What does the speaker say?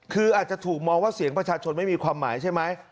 คืออาจจะถูกมองว่าเสียงประชาชนไม่มีความหมายใช่ไหม